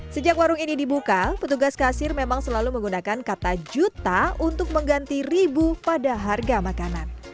sejak warung ini dibuka petugas kasir memang selalu menggunakan kata juta untuk mengganti ribu pada harga makanan